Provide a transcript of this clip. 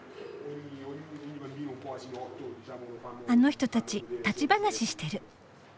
あの人たち立ち話してる。